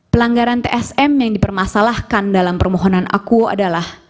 pelanggaran tsm yang dipermasalahkan dalam permohonan akuo adalah